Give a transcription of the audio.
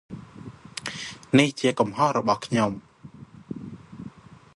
នេះជាកំហុសរបស់ខ្ញុំ ។